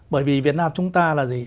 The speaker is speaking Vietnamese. bởi vì việt nam chúng ta là gì